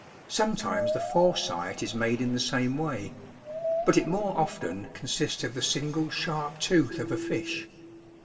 Sometimes the fore sight is made in the same way ; but it more often consists of the single sharp tooth of a fish.